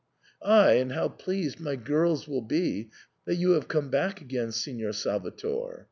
Ay, and how pleased my girls will be that you have come back again, Signor Salvator.